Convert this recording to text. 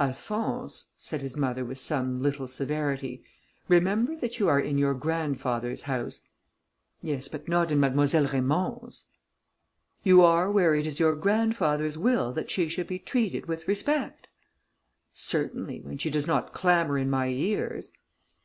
"Alphonse," said his mother with some little severity, "remember that you are in your grandfather's house." "Yes, but not in Mademoiselle Raymond's." "You are where it is your grandfather's will that she should be treated with respect." "Certainly, when she does not clamour in my ears."